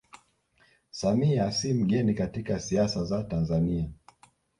Samia si mgeni katika siasa za Tanzania